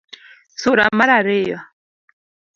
Sura mar ariyo: